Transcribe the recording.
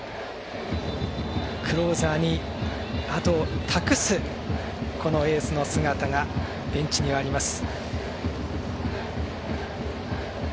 クローザーにあとを託すエースの姿がベンチにはあります。